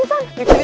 ini dia pisan